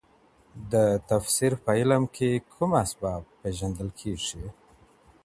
د تفسير په علم کي کوم اسباب پېژندل کيږي؟